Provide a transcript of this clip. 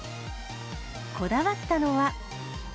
こだわったのは。